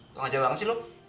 tengah jalan banget sih lo